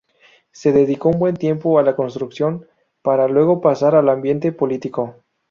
Se dedicó un buen tiempo a la construcción, para luego pasar al ambiente político.